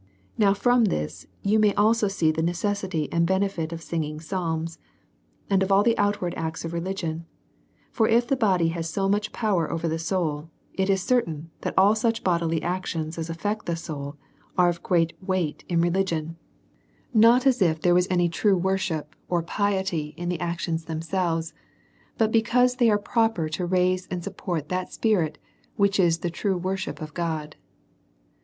Now, from this you may also see the necessity and benefit of singing psalms, and of all the outward acts of religion ; for if the body has so much power over the soul, it is certain that all such bodily actions as af fect the soul are of great weight in religion ; not as if there was any true worship or piety in the actions themselves, but because they are proper to raise and support that spirit, which is the true worship of God.